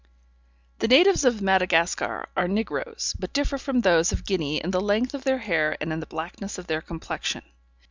The natives of Madagascar are negroes, but differ from those of Guinea in the length of their hair and in the blackness of their complexion.